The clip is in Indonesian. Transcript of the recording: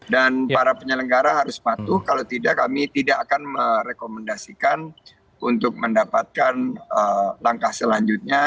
dan para penyelenggara harus patuh kalau tidak kami tidak akan merekomendasikan untuk mendapatkan langkah selanjutnya